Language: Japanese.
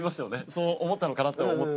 そう思ったのかなと思って。